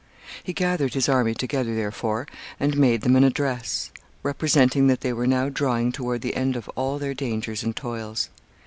He gathered his army together, therefore, and made them an address, representing that they were now drawing toward the end of all their dangers and toils.